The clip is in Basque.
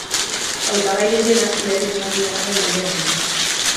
Hautagai gehienak lege islamiarraren alde daude.